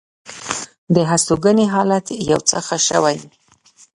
د هستوګنې حالت یو څه ښه شوی.